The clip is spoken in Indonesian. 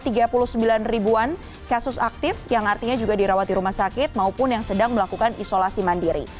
dan juga tiga puluh sembilan an kasus aktif yang artinya juga dirawat di rumah sakit maupun yang sedang melakukan isolasi mandiri